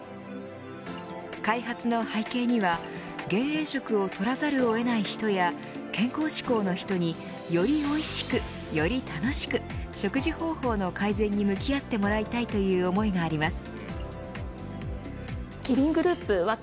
開発の背景には減塩食を取らざるを得ない人や健康志向の人によりおいしく、より楽しく食事方法の改善に向き合ってもらいたいという思いがあります。